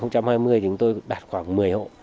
thì chúng tôi đạt khoảng một mươi hộ